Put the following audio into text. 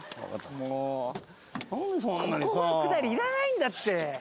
もうここのくだりいらないんだって。